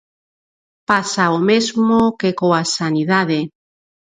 Pasa o mesmo que coa sanidade.